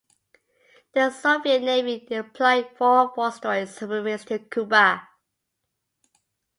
The Soviet Navy deployed four Foxtrot submarines to Cuba.